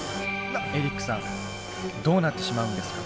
エリックさんどうなってしまうんですか？